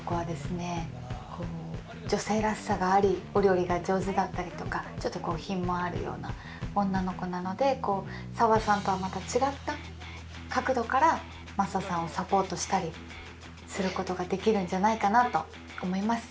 女性らしさがありお料理が上手だったりとかちょっとこう品もあるような女の子なので沙和さんとはまた違った角度からマサさんをサポートしたりすることができるんじゃないかなと思います。